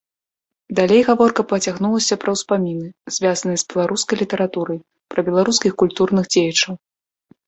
Далей гаворка пацягнулася пра ўспаміны, звязаныя з беларускай літаратурай, пра беларускіх культурных дзеячаў.